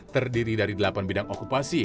terdiri dari delapan bidang okupasi